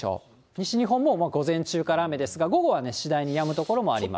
西日本も午前中から雨ですが、午後はね、次第にやむ所もあります。